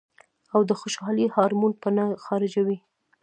او د خوشالۍ هارمون به نۀ خارجوي -